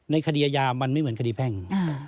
คดีอาญามันไม่เหมือนคดีแพ่ง